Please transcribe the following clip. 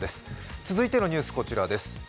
続いてのニュース、こちらです。